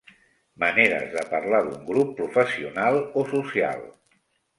Maneres de parlar d'un grup professional o social.